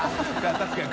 確かに。